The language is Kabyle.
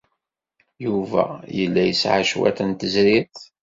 Yuba yella yesɛa cwiṭ n tezrirt.